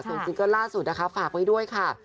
ส่วนซีเกิ้ลล่าสุดฝากไว้ด้วยค่ะ